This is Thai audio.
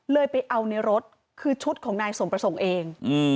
ไปเอาในรถคือชุดของนายสมประสงค์เอง